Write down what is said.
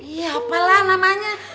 iya apalah namanya